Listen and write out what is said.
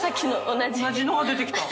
同じのが出てきた。